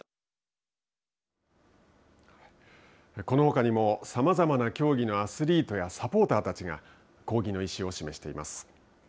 このほかにもさまざまな競技のアスリートやサポーターたちが抗議の意志を示しています。